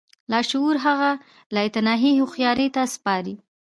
لاشعور هغه لايتناهي هوښياري ته سپاري.